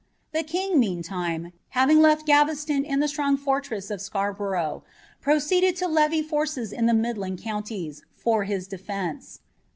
The king, meanlinie, hering left Gaveston in the suoag (oiIumI i Scarborough,' proceeded to levy forces in the midland counties, fori defence.